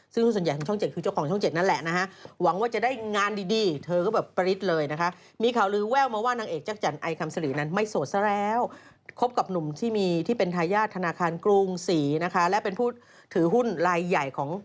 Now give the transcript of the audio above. ซึ่งหุ้นส่วนใหญ่ของช่องเจ็ดคือเจ้าของช่องเจ็ดนั่นแหละนะฮะ